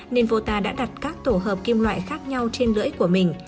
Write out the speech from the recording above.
nên vota đã đặt các tổ hợp kim loại khác nhau trên lưỡi của mình